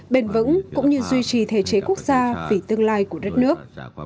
bền vững cũng như duy trì thể chế quốc gia vì tương lai của đất nước